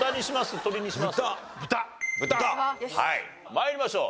参りましょう。